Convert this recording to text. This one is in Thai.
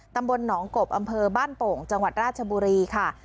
ตำบลหนองกบอำเภอบ้านโป่งจังหวัดราชบุรีค่ะ